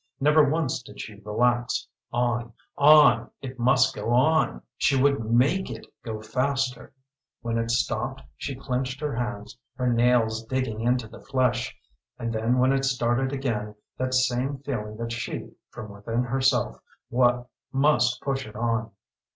Never once did she relax on on it must go on! She would make it go faster! When it stopped she clenched her hands, her nails digging into the flesh and then when it started again that same feeling that she, from within herself, must push it on.